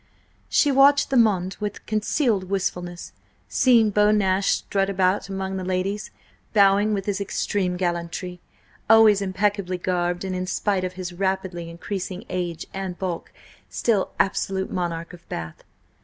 She watched the monde with concealed wistfulness, seeing Beau Nash strut about among the ladies, bowing with his extreme gallantry, always impeccably garbed, and in spite of his rapidly increasing age and bulk still absolute monarch of Bath.